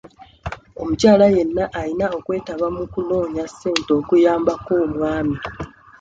Omukyala yenna ayina okwetaba mu kunoonya ssente okuyambako omwami.